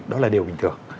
đó là điều bình thường